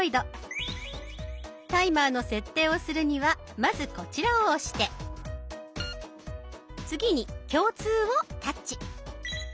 タイマーの設定をするにはまずこちらを押して次に「共通」をタッチ。